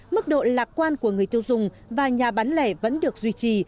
mức độ lạc quan của người tiêu dùng và nhà bán lẻ vẫn được duy trì